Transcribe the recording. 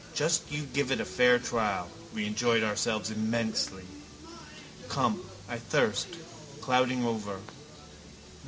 Just you give it a fair trial. We enjoyed ourselves immensely. Come. I thirst. Clouding over.